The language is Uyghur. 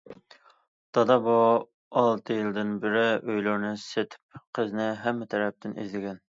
دادا بۇ ئالتە يىلدىن بېرى ئۆيلىرىنى سېتىپ قىزىنى ھەممە تەرەپتىن ئىزدىگەن.